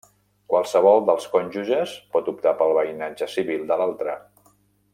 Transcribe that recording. Qualsevol dels cònjuges pot optar pel veïnatge civil de l'altre.